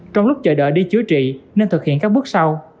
trong lúc chờ đợi đi chữa trị nên thực hiện các bước sau